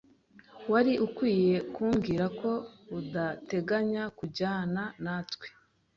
Wari ukwiye kumbwira ko udateganya kujyana natwe.